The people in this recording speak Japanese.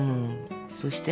そうして。